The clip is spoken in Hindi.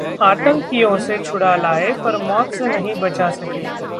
आतंकियों से छुड़ा लाए पर मौत से नहीं बचा सके